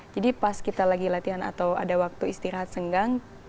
jadi pas kita lagi latihan atau ada waktu istirahat senggang